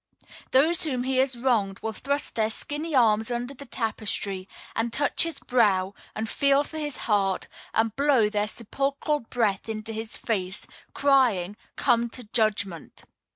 Those whom he has wronged will thrust their skinny arms under the tapestry, and touch his brow, and feel for his heart, and blow their sepulchral breath into his face, crying: "Come to judgment!"